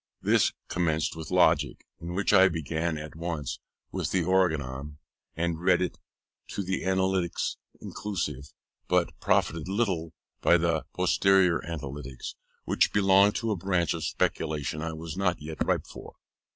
This commenced with Logic, in which I began at once with the Organon, and read it to the Analytics inclusive, but profited little by the Posterior Analytics, which belong to a branch of speculation I was not yet ripe for.